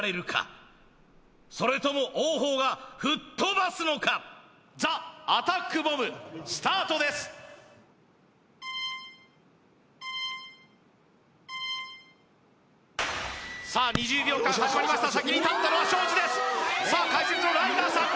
それとも王鵬が吹っ飛ばすのかザ・アタックボムスタートですさあ２０秒間始まりました先にたったのは庄司ですさあ解説のライガーさん